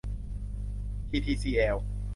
ทีทีซีแอล